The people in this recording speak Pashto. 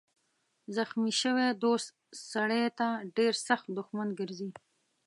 زخمي شوی دوست سړی ته ډېر سخت دښمن ګرځي.